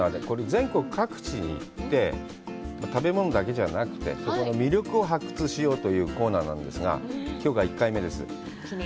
これ、全国各地に行って、食べ物だけじゃなくて、そこの魅力を発掘しようというコーナーなんですが、きょうが１回目です。